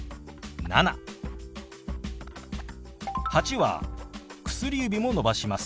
「８」は薬指も伸ばします。